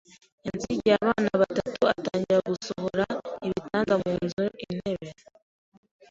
yansigiye abana batanu atangira gusohora ibitanda mu nzu intebe,